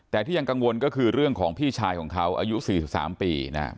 แต่ที่ยังกังวลก็คือเรื่องของพี่ชายของเขาอายุ๔๓ปีนะครับ